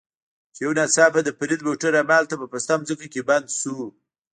چې یو ناڅاپه د فرید موټر همالته په پسته ځمکه کې بند شو.